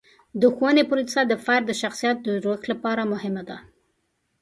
د ښوونې پروسه د فرد د شخصیت د جوړښت لپاره مهمه ده.